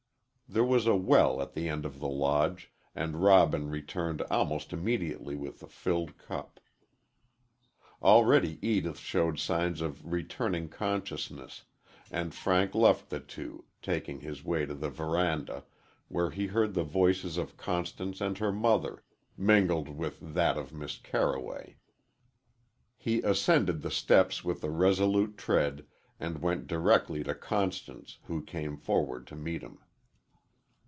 There was a well at the end of the Lodge, and Robin returned almost immediately with a filled cup. Already Edith showed signs of returning consciousness, and Frank left the two, taking his way to the veranda, where he heard the voices of Constance and her mother, mingled with that of Miss Carroway. He ascended the steps with a resolute tread and went directly to Constance, who came forward to meet him.